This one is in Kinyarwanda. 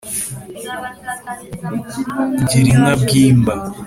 Gira inka Bwimba